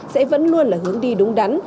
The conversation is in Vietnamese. sẽ vẫn luôn là hướng đi đúng đắn